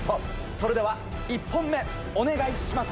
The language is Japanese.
それでは１本目お願いします。